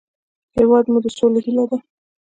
هېواد مو د سولې هیله ده